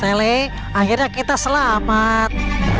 sally akhirnya kita selamat